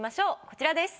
こちらです。